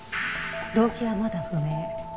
動機はまだ不明。